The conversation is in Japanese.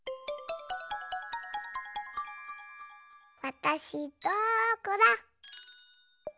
わたしどこだ？